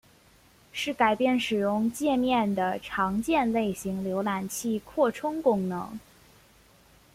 是改变使用介面的常见类型浏览器扩充功能。